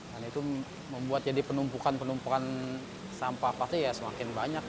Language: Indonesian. dan itu membuat penumpukan penumpukan sampah pasti semakin banyak